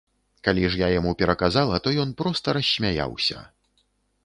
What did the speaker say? Калі ж я яму пераказала, то ён проста рассмяяўся.